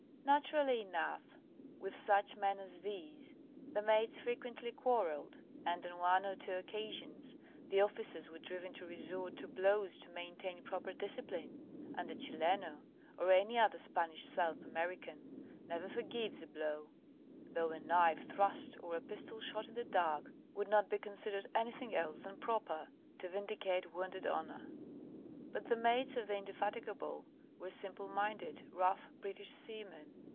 Naturally enough, with such men as these the mates frequently quarrelled, and on one or two occasions the officers were driven to resort to blows to maintain proper discipline. And a Chileno, or any other Spanish South American, never forgives a blow, though a knife thrust or a pistol shot in the dark would not be considered anything else than proper to vindicate wounded honour. But the mates of the Indefatigable were simple minded, rough British seamen.